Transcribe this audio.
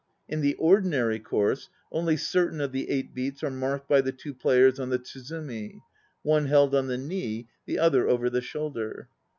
In the ordinary course, only certain of the eight beats are marked by the two players on the tsuzumi (one held on the knee, the other over the shoulder).